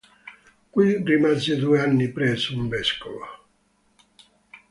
Qui rimase due anni presso un vescovo.